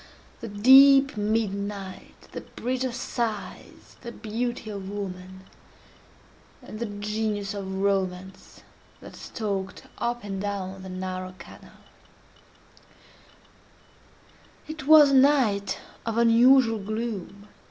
—the deep midnight, the Bridge of Sighs, the beauty of woman, and the Genius of Romance that stalked up and down the narrow canal. It was a night of unusual gloom.